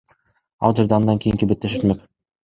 Ал жерде андан кийинки беттеш өтмөк.